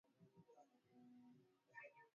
ambayo itakuwa ikigusia msimamo wake